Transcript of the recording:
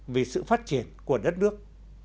vì sự phát triển của đất nước